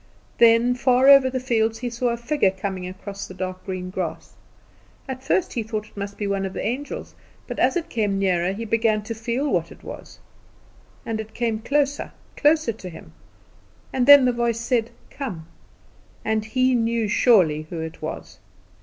Then, far over the fields, he saw a figure coming across the dark green grass. At first he thought it must be one of the angels; but as it came nearer he began to feel what it was. And it came closer, closer to him, and then the voice said, "Come," and he knew surely Who it was.